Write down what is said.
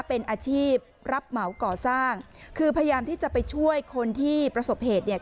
เป็นอาชีพรับเหมาก่อสร้างคือพยายามที่จะไปช่วยคนที่ประสบเหตุเนี่ย